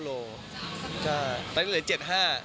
ตอนนี้เหลือ๗๕กิโลกรัม